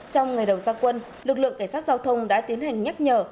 trong ngày đầu gia quân lực lượng cảnh sát giao thông đã tiến hành nhắc nhở